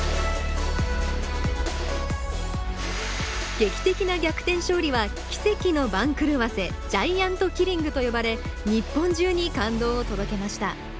劇的な逆転勝利は奇跡の番狂わせジャイアントキリングと呼ばれ日本中に感動を届けました